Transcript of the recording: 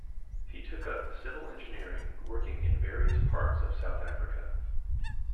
He took up civil engineering, working in various parts of South Africa.